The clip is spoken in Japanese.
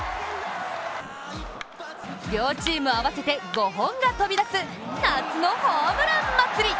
両チーム合わせて５本が飛び出す夏のホームラン祭り！